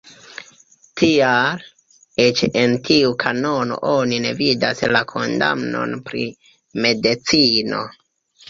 Tial, eĉ en tiu kanono oni ne vidas la kondamnon pri medicino.